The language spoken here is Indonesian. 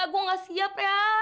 gue gak siap ya